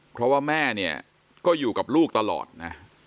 เพราะว่าแม่เนี่ยก็อยู่กับลูกตลอดนะ